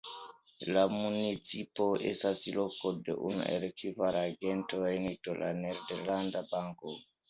La municipo estas loko de unu el kvar agentejoj de La Nederlanda Banko.